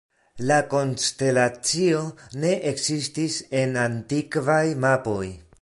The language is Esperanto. La konstelacio ne ekzistis en antikvaj mapoj.